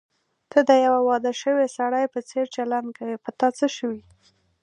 ته د یوه واده شوي سړي په څېر چلند کوې، په تا څه شوي؟